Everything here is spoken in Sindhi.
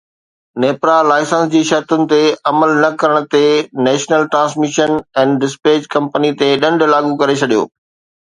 نيپرا لائسنس جي شرطن تي عمل نه ڪرڻ تي national transmission and dispatch company تي ڏنڊ لاڳو ڪري ڇڏيو